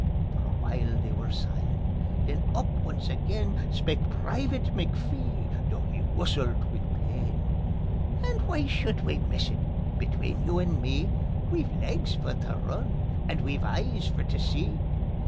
For a while they were silent; then up once again Spoke Private McPhee, though he whussilt wi' pain: "And why should we miss it? Between you and me We've legs for tae run, and we've eyes for tae see.